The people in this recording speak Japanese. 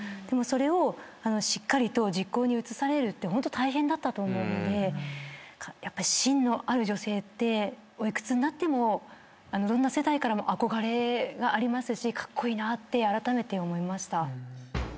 でもそれをしっかりと実行に移されるってホント大変だったと思うのでやっぱりしんのある女性ってお幾つになってもどんな世代からも憧れがありますしカッコイイなってあらためて思いました。